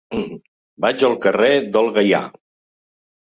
Vaig al carrer del Gaià.